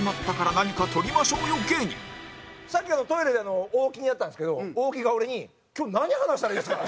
さっきトイレで大木に会ったんですけど大木が俺に「今日何話したらいいんですか？」